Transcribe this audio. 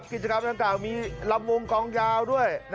กิจกรรมทั้งกลางมีรำวงกองยาวด้วย